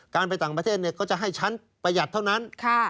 การไปต่างประเทศก็จะให้ชั้นประหยัดเท่านั้น